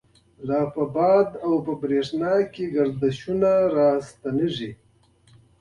لا په باد او برَښنا کی، گردشونه را رستیږی